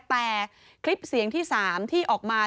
แต่คลิปเสียงที่๓ที่ออกมา